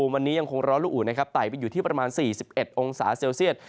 วันนี้ยังคงร้อนลูกอุ่นนะครับไต่ไปอยู่ที่ประมาณ๔๑องศาเซลเซียต